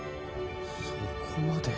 そこまで？